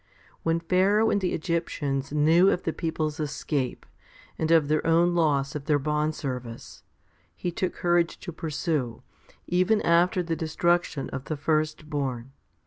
When Pharaoh and the Egyptians knew of the people's escape, and of their own loss of their bondservice, he took courage to pursue, even after the destruction of the firstborn.